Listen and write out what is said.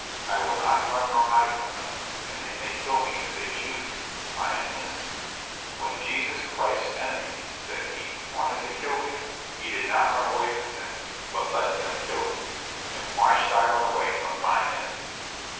I will not run nor hide from them, and they may kill me if they choose to I am innocent. When Jesus Christ's enemies, said he, wanted to kill him, he did not run away from them, but let them kill him; and why should I run away from my enemies?